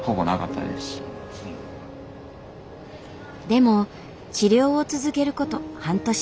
でも治療を続けること半年。